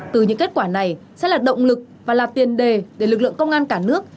từ những kết quả này sẽ là động lực và là tiền đề để lực lượng công an cả nước